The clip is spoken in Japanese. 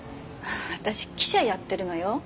私記者やってるのよ。